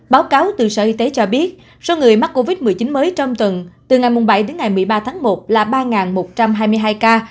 báo cáo từ sở y tế cho biết số người mắc covid một mươi chín mới trong tuần từ ngày bảy đến ngày một mươi ba tháng một là ba một trăm hai mươi hai ca